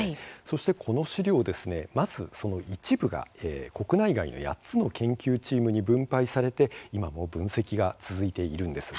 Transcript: そしてこの試料、まずその一部が国内外の８つの研究チームに分配されて今も分析が続いているんです。